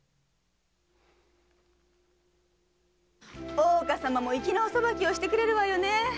大岡様も粋なお裁きをしてくれるわよね。